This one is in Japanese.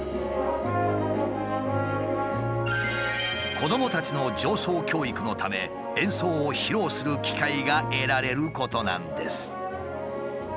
子どもたちの情操教育のため演奏を披露する機会が得られることなんです。